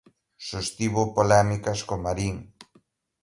Sostivo polémicas con "Marín".